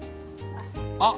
あっ